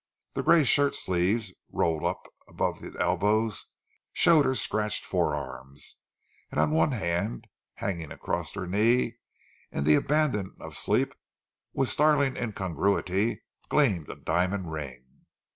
The grey shirt sleeves, rolled up above the elbows, showed her scratched forearms, and on one hand, hanging across her knee in the abandon of sleep, with startling incongruity gleamed a diamond ring.